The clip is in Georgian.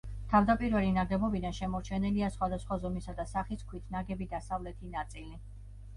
თავდაპირველი ნაგებობიდან შემორჩენილია სხვადასხვა ზომისა და სახის ქვით ნაგები დასავლეთი ნაწილი.